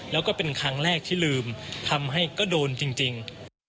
แล้วก็เป็นครั้งแรกที่ลืมทำให้ก็โดนจริง